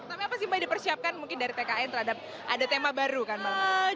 tapi apa sih mbak dipersiapkan mungkin dari tkn terhadap ada tema baru kan mbak mutia